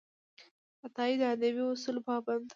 عطايي د ادبي اصولو پابند و.